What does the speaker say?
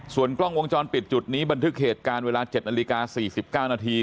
ส่วนกล้องวงจรปิดจุดนี้บันทึกเหตุการณ์เวลา๗นาฬิกา๔๙นาที